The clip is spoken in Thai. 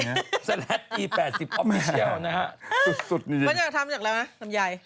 ควรจะทำจากอะไรนะลำยาย